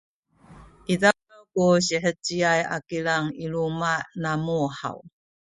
izaw ku siheciay a kilang i luma’ namu haw?